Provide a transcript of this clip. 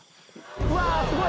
うわー、すごい。